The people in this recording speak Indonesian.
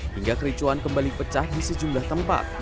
hingga kericuan kembali pecah di sejumlah tempat